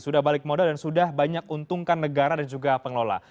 sudah balik modal dan sudah banyak untungkan negara dan juga pengelola